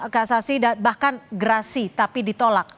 kak sasyi bahkan gerasi tapi ditolak